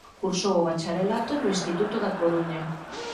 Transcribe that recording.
Cursou o bacharelato no Instituto da Coruña.